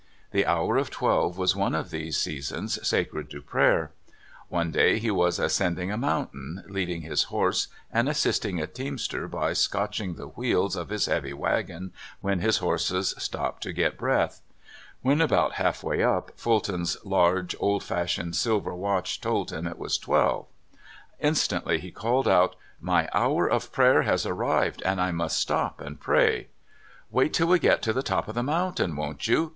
The hour of twelve was one of these seasons sacred to prayer. One day he was ascending a mountain, leading his horse, and assisting a teamster by scotching the w^heels of his heavy wagon when his horses stopped to get breath. When about half way up, Fulton's large, old fashioned silver watch told him it was twelve. Instantly he called out: " My hour of prayer has arrived, and I must stop and pray." " Wait till we get to the top of the mountain, won't you?"